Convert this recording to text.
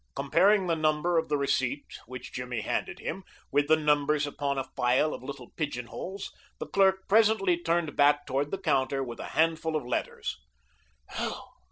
Comparing the number of the receipt which Jimmy handed him with the numbers upon a file of little pigeonholes, the clerk presently turned back toward the counter with a handful of letters.